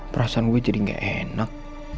perasaan gue jadi gak enak